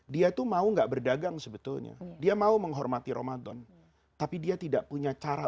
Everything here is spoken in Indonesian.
dia tuh mau nggak berdagang sebetulnya dia mau menghormati ramadan tapi dia tidak punya cara